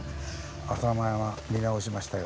浅間山見直しましたよ。